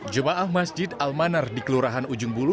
jemaah masjid al manar di kelurahan ujung bulu